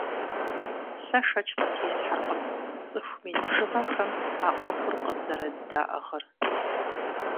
Сэ шэч къытесхьэркъым цӀыху мин бжыгъэхэм а Ӏуэхур къызэрыддаӀыгъыр.